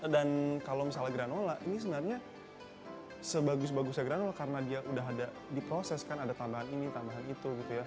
dan kalau misalnya granola ini sebenarnya sebagus bagusnya granola karena dia sudah diproseskan ada tambahan ini tambahan itu